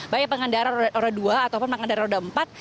baik pengendara roda dua ataupun pengendara roda empat